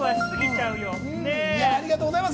ありがとうございます。